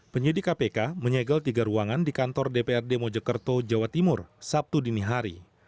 penyidik kpk menyegel tiga ruangan di kantor dprd mojokerto jawa timur sabtu dini hari